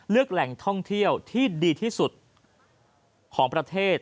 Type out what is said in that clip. แหล่งท่องเที่ยวที่ดีที่สุดของประเทศ